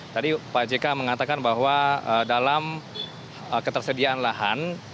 tadi pak jk mengatakan bahwa dalam ketersediaan lahan